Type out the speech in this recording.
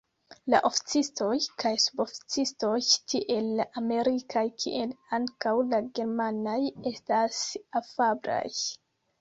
La oficistoj kaj suboficistoj, tiel la amerikaj kiel ankaŭ la germanaj, estas afablaj.